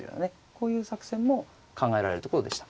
こういう作戦も考えられるところでした。